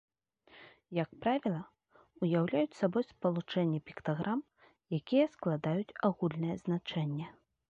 Як правіла, уяўляюць сабой спалучэнне піктаграм, якія складаюць агульнае значэнне.